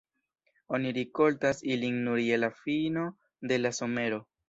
Oni rikoltas ilin nur je la fino de la somero.